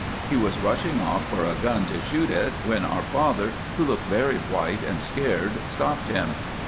He was rushing off for a gun to shoot it, when our father, who looked very white and scared, stopped him.